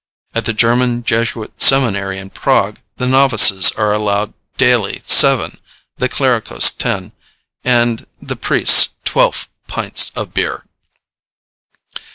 (At the German Jesuit seminary in Prague the novices are allowed daily seven, the clericos ten, and the priests twelve pints of beer.)